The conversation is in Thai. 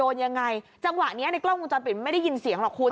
จังหวะนี้ในกล้องมูลจอดปิดไม่ได้ยินเสียงหรอกคุณ